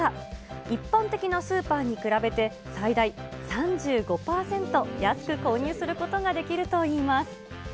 一般的なスーパーに比べて、最大３５％安く購入することができるといいます。